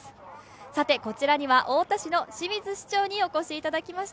さてこちらには太田市の清水市長にお越しいただきました。